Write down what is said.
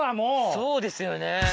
そうですよね。